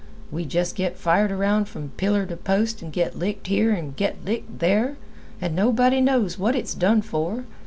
We just get fired around from pillar to post and get licked here and get licked there, and nobody knows what it's done for.